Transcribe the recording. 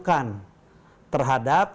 dan penerukan terhadap